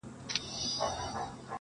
یو وصیت یې په حُجره کي وو لیکلی!!